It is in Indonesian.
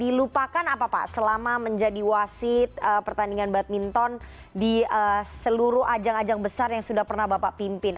dilupakan apa pak selama menjadi wasit pertandingan badminton di seluruh ajang ajang besar yang sudah pernah bapak pimpin